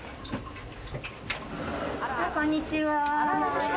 こんにちは。